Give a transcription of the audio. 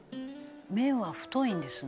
「麺は太いんですね」